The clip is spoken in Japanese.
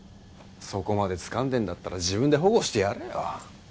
そこまでつかんでんだったら自分で保護してやれよ。